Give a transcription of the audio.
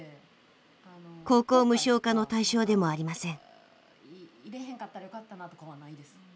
高校無償化の対象でもありません。